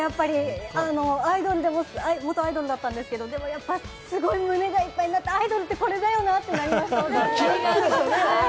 でもやっぱり、アイドルでも元アイドルだったんですけれども、やっぱりすごい胸がいっぱいになってアイドルってこれだよなってなりました。